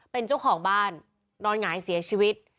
เป็นเจ้าของบ้านนอนหงายเสียชีวิต